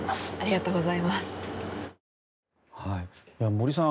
森さん